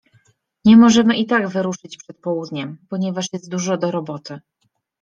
Nie możemy i tak wyruszyć przed południem, ponieważ jest dużo do roboty.